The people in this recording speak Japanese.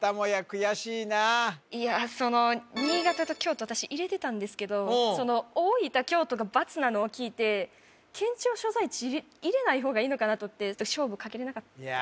悔しいないやその新潟と京都私入れてたんですけどその大分京都がバツなのを聞いて県庁所在地入れない方がいいのかなと思っていや